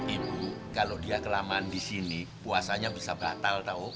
ibu kalau dia kelamaan di sini puasanya bisa batal tau